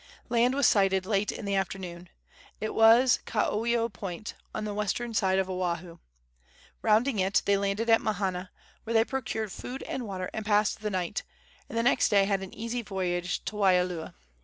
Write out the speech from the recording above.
Land was sighted late in the afternoon. It was Kaoio Point, on the western side of Oahu. Rounding it, they landed at Mahana, where they procured food and water and passed the night, and the next day had an easy voyage to Waialua.